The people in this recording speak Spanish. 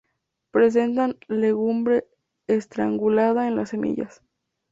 Presentan legumbre estrangulada en las semillas.